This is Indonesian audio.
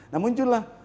nah muncul lah